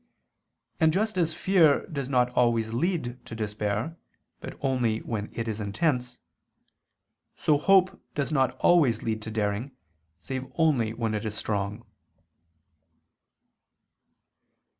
And just as fear does not always lead to despair, but only when it is intense; so hope does not always lead to daring, save only when it is strong.